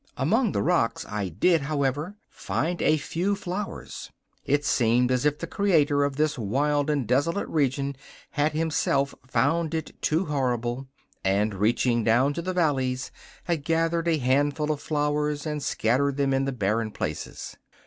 Among the rocks I did, however, find a few flowers. It seemed as if the Creator of this wild and desolate region had Himself found it too horrible, and, reaching down to the valleys, had gathered a handful of flowers and scattered them in the barren places.